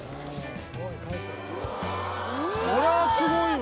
これはすごいわ！